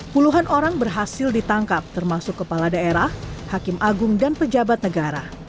puluhan orang berhasil ditangkap termasuk kepala daerah hakim agung dan pejabat negara